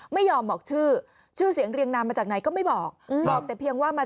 ไม่ยอมบอกชื่อชื่อเสียงเรียงนามมาจากไหนก็ไม่บอกบอกแต่เพียงว่ามา